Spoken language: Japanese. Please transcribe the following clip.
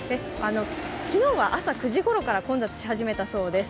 昨日は朝９時ごろから混雑し始めたそうです。